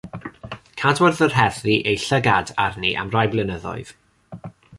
Cadwodd yr heddlu eu llygad arni am rai blynyddoedd.